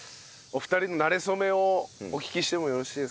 お二人のなれ初めをお聞きしてもよろしいですか？